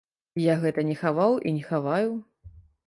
Я гэта не хаваў і не хаваю.